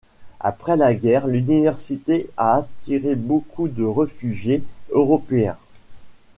Après la guerre, l'université a attiré beaucoup de réfugiés européens.